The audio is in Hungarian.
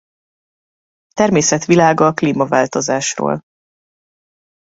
Természet világa a klímaváltozásról